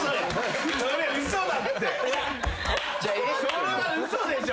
それは嘘でしょ。